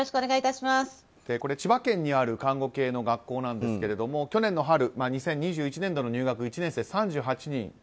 千葉県にある看護系の学校なんですが去年の春、２０２１年度の入学１年生、３８人。